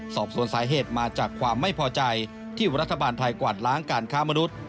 สอบสวนสาเหตุมาจากความไม่พอใจที่รัฐบาลไทยกวาดล้างการค้ามนุษย์